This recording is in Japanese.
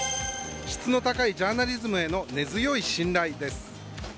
質の高いジャーナリズムへの根強い信頼です。